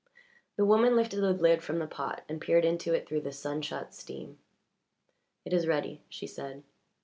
The woman lifted the lid from the pot and peered into it through the sun shot steam. "It is ready," she said.